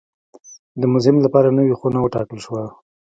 د موزیم لپاره نوې خونه وټاکل شوه.